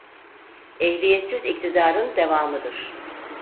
Ehliyetsiz iktidarın devamıdır.